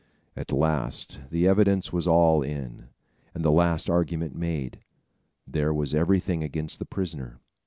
At last the evidence was all in, and the last argument made. There was everything against the prisoner.